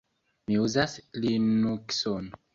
Mi uzas Linukson.